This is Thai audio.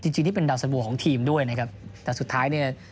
จริงจริงที่เป็นดาวสันบู่ของทีมด้วยนะครับแต่สุดท้ายเนี่ย